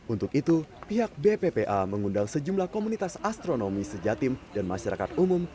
untuk itu pihak bppa mengundang sejumlah komunitas astronomi sejatim dan masyarakat umum